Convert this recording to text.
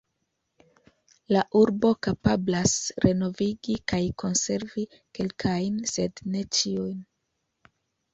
La urbo kapablas renovigi kaj konservi kelkajn, sed ne ĉiujn.